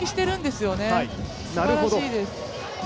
すばらしいです。